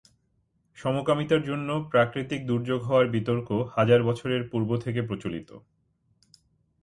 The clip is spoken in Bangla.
সমকামিতার জন্য প্রাকৃতিক দুর্যোগ হওয়ার বিতর্ক হাজার বছরের পূর্ব থেকে প্রচলিত।